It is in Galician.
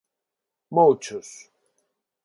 Mouchos.